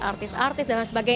artis artis dan lain sebagainya